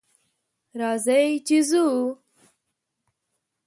راځئ چې ځو